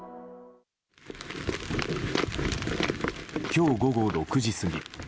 今日午後６時過ぎ。